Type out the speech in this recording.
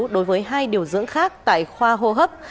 đối với hai điều dưỡng khác tại khoa hô hấp